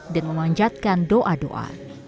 dan mengucapkan doa doa